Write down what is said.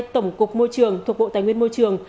tổng cục môi trường thuộc bộ tài nguyên môi trường